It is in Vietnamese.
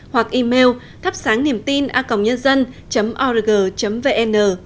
hoặc email thapsangniemtina org vn